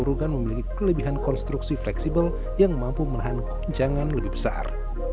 kerugan memiliki kelebihan konstruksi fleksibel yang mampu menahan guncangan lebih besar